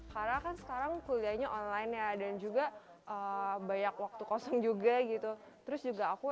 karena kan sekarang kuliahnya online ya dan juga banyak waktu kosong juga gitu terus juga aku